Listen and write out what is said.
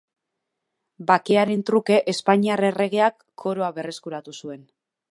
Bakearen truke, espainiar erregeak koroa berreskuratu zuen.